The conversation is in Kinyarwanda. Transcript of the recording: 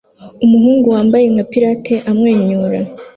umuhungu wambaye nka pirate amwenyura